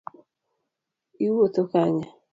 Iwuotho kanye